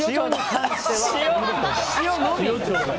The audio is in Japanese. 塩のみ。